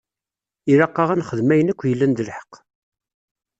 Ilaq-aɣ ad nexdem ayen akk yellan d lḥeqq.